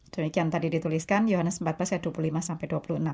demikian tadi dituliskan yohanes empat belas ayat dua puluh lima sampai dua puluh enam